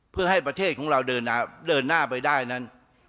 เพื่อให้ประเทศของเราเดินหน้าไปได้นั้น